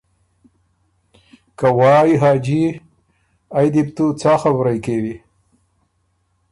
که ”وایٛ حاجی! ائ دی بو تُو څا خبُرئ کېوی؟“